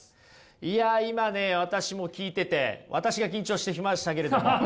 いや今ね私も聞いてて私が緊張してしましたけれども。